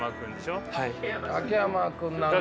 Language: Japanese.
秋山君なんかは。